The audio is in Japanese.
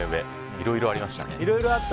いろいろありましたね。